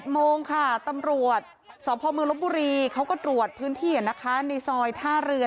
โมงค่ะตำรวจสพมลบบุรีเขาก็ตรวจพื้นที่นะคะในซอยท่าเรือ